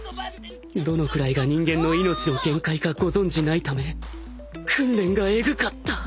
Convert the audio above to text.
どのくらいが人間の命の限界かご存じないため訓練がえぐかった